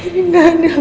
ini gak ada